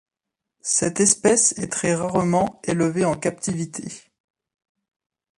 Cette espèce est très rarement élevée en captivité.